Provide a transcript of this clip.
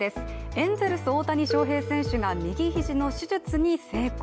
エンゼルス・大谷翔平選手が右ひじの手術に成功。